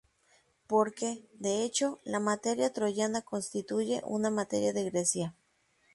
Porque, de hecho, la materia troyana constituye una "materia de Grecia".